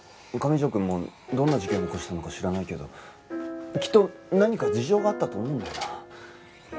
上条くんもどんな事件起こしたのか知らないけどきっと何か事情があったと思うんだよな。